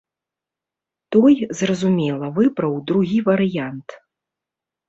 Той, зразумела, выбраў другі варыянт.